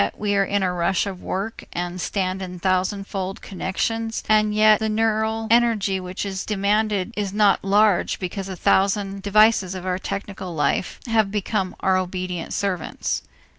We are in a rush of work and stand in thousandfold connections; and yet the neural energy which is demanded is not large because a thousand devices of our technical life have become our obedient servants.